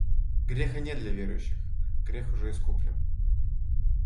Греха нет для верующих, грех уже искуплен.